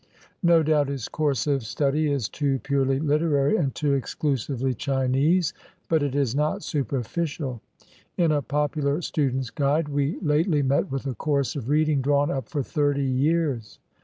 No doubt his course of study is too purely literary and too exclusively Chinese, but it is not superficial. In a popular "Student's Guide" we lately met with a course of reading drawn up for thirty years!